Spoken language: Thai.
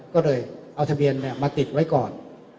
ก็เลยเอาทะเบียนมาติดไว้ก่อน